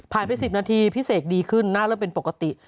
ไป๑๐นาทีพี่เสกดีขึ้นหน้าเริ่มเป็นปกติ